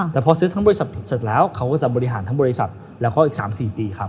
แต่พอซื้อทั้งบริษัทเสร็จแล้วเขาก็จะบริหารทั้งบริษัทแล้วก็อีก๓๔ปีครับ